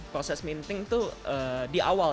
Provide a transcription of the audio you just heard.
proses meeting itu di awal